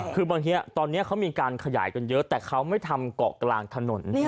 คือบางทีตอนนี้เขามีการขยายกันเยอะแต่เขาไม่ทำเกาะกลางถนน